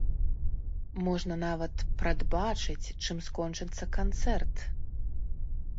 Можна нават прадбачыць, чым скончыцца канцэрт.